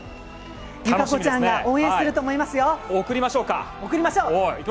友香子ちゃんが応援していると思いますよ。